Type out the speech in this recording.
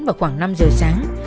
vào khoảng năm giờ sáng